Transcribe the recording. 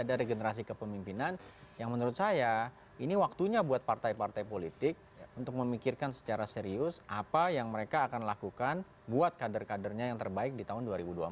ada regenerasi kepemimpinan yang menurut saya ini waktunya buat partai partai politik untuk memikirkan secara serius apa yang mereka akan lakukan buat kader kadernya yang terbaik di tahun dua ribu dua puluh empat